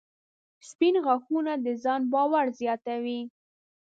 • سپین غاښونه د ځان باور زیاتوي.